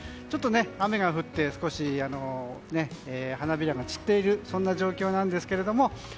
ちょっと雨が降って少し花びらが散っているそんな状況なんですけれども。